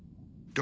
誰？